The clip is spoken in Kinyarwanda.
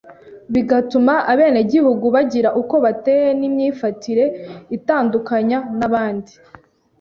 bigatuma abenegihugu bagira uko bateye n’imyifatire ibatandukanya n’abandi.